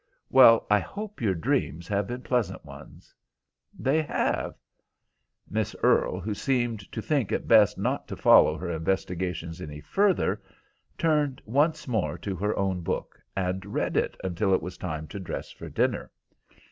"Well, I hope your dreams have been pleasant ones." "They have." Miss Earle, who seemed to think it best not to follow her investigations any further, turned once more to her own book, and read it until it was time to dress for dinner.